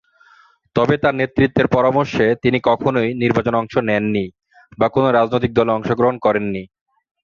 তবে তার নেতৃত্বের পরামর্শে তিনি কখনই নির্বাচনে অংশ নেননি বা কোনও রাজনৈতিক দলে অংশগ্রহণ গ্রহণ করেননি।